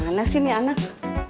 eh kemana sih nih anak